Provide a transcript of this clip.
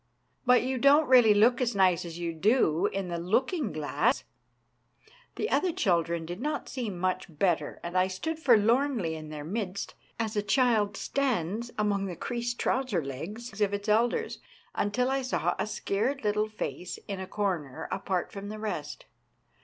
" But you don't really look as nice as you do in the looking glass !" The other children did not seem much better, and I stood forlornly in their midst, as a child stands among the creased trouser legs of its elders, until I saw a scared little face in a corner apart from the rest.